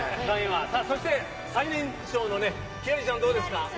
そして最年少の輝星ちゃん、どうですか？